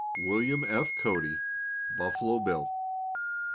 WILLIAM F. CODY ("BUFFALO BILL").